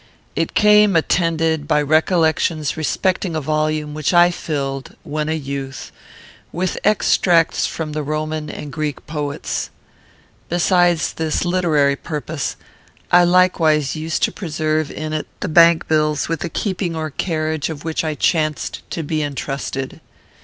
It came attended by recollections respecting a volume which I filled, when a youth, with extracts from the Roman and Greek poets. Besides this literary purpose, I likewise used to preserve in it the bank bills with the keeping or carriage of which I chanced to be entrusted.